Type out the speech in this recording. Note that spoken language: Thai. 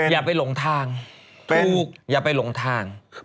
อย่าไปหลงทางถูกอย่าไปหลงทาง